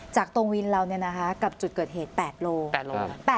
จากตรงวินเราเนี่ยนะคะกับจุดเกิดเหตุ๘กิโลกรัม